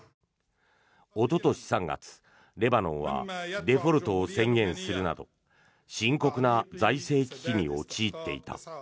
おととし３月、レバノンはデフォルトを宣言するなど深刻な財政危機に陥っていた。